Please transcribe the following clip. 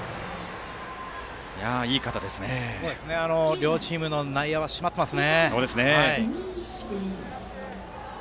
両チームの内野は締まっていますね。